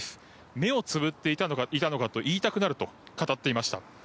目をつぶっていたのかと言いたくなると語っていました。